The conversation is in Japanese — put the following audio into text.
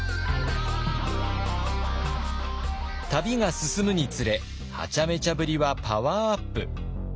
旅が進むにつれはちゃめちゃぶりはパワーアップ。